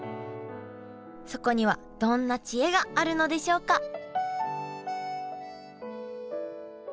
そこにはどんな知恵があるのでしょうか？